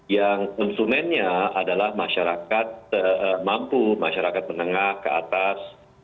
yang konsumennya adalah masyarakat mampu masyarakat menengah keatas